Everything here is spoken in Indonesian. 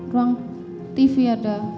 ruang tv ada